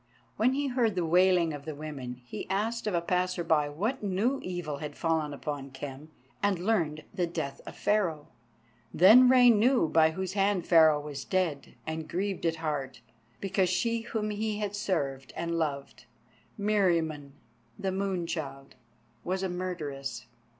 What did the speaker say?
When he heard the wailing of the women, he asked of a passer by what new evil had fallen upon Khem, and learned the death of Pharaoh. Then Rei knew by whose hand Pharaoh was dead, and grieved at heart, because she whom he had served and loved—Meriamun the moon child—was a murderess.